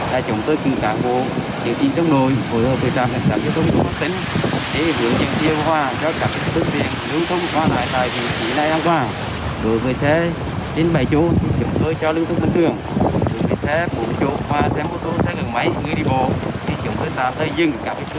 sau đó chúng tôi sẽ cho lưu thông bình thường đi bảo vệ tình bào và tài sản của người dân